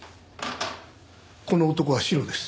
この男はシロです。